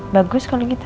bagus kalau gitu